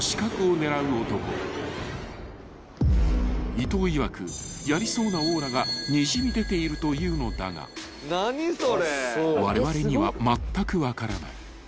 ［伊東いわく「やりそうなオーラがにじみ出ている」というのだがわれわれにはまったく分からない］